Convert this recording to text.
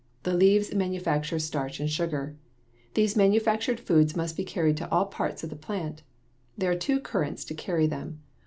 The leaves manufacture starch and sugar. These manufactured foods must be carried to all parts of the plant. There are two currents to carry them.